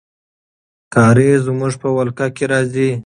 کارېز زموږ په ولکه کې راځي.